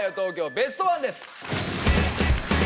ベストワン！です